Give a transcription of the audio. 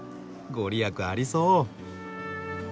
御利益ありそう。